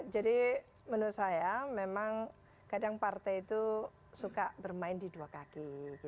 jadi menurut saya memang kadang partai itu suka bermain di dua kaki